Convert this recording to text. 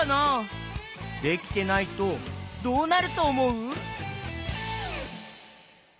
できてないとどうなるとおもう？